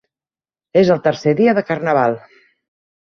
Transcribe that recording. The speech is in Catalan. És el tercer dia de Carnaval.